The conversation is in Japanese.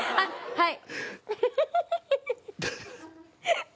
はい。